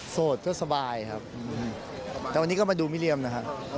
โสดก็สบายครับแต่วันนี้ก็มาดูมิเรียมนะครับ